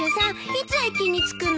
いつ駅に着くの？